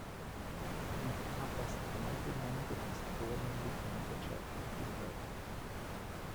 Die Katastralgemeinde ist vornehmlich landwirtschaftlich geprägt.